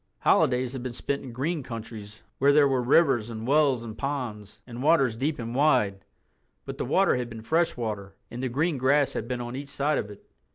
Holidays had been spent in green countries where there were rivers and wells and ponds, and waters deep and wide—but the water had been fresh water, and the green grass had been on each side of it.